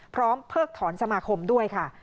พร้อมเพิกถอนสมาคมด้วยค่ะ